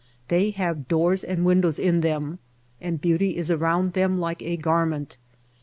They have doors and windows in them and beauty is around them like a garment.